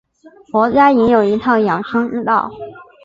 佛家也有一套养生之道。